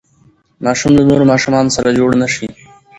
ماشوم له نورو ماشومانو سره جوړ نه شي.